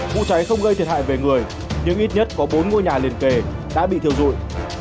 vụ cháy không gây thiệt hại về người nhưng ít nhất có bốn ngôi nhà liền kề đã bị thiêu dụi